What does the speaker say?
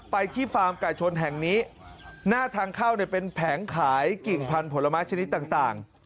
ที่ฟาร์มไก่ชนแห่งนี้หน้าทางเข้าเนี่ยเป็นแผงขายกิ่งพันธุ์ผลไม้ชนิดต่าง